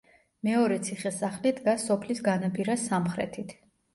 მეორე ციხე-სახლი დგას სოფლის განაპირას სამხრეთით.